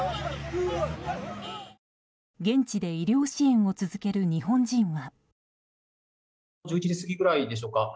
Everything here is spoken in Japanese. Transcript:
現地で医療支援を続ける日本人は。